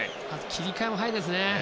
切り替えも早いですね。